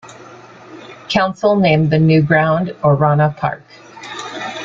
Council named the new ground, 'Orana Park'.